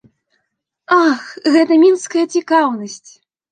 Ах, гэтая мінская цікаўнасць!